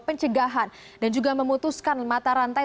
pencegahan dan juga memutuskan mata rantai